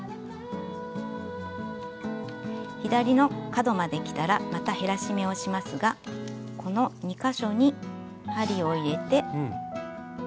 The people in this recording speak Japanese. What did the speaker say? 左の角まできたらまた減らし目をしますがこの２か所に針を入れて。